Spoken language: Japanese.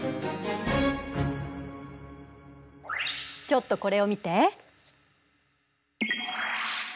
ちょっとこれを見て。